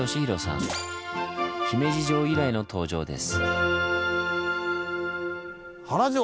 「姫路城」以来の登場です。